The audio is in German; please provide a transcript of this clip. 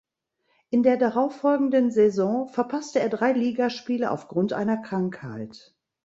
In der darauffolgenden Saison verpasste er drei Ligaspiele auf Grund einer Krankheit.